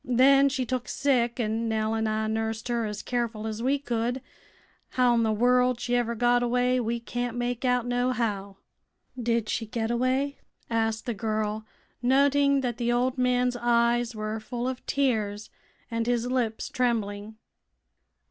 Then she took sick, an' Nell an' I nursed her as careful as we could. How'n the wurld she ever got away we can't make out, nohow." "Did she get away?" asked the girl, noting that the old man's eyes were full of tears and his lips trembling.